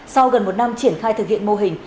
sau gần một năm triển khai thực hiện mô hình